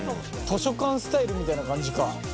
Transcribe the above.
図書館スタイルみたいな感じか。